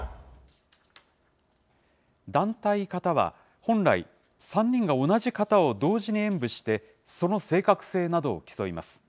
団体形は、本来、３人が同じ形を同時に演武して、その正確性などを競います。